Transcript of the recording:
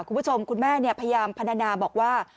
คุณผู้ชมคุณแม่พยายามพัฒนาบอกว่า